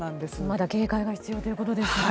まだ警戒が必要ということですね。